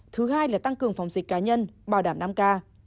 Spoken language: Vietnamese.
thứ hai là tăng cường phòng dịch cá nhân bảo đảm năm k